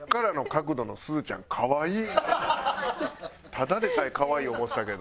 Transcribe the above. ただでさえ可愛い思ってたけど。